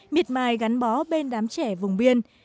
miệt mài gắn bó bên đám trẻ vùng biên